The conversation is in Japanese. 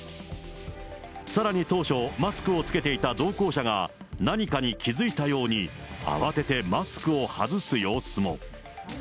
さらに当初、マスクを着けていた同行者が、何かに気付いたように、慌ててマスクを外す様子も。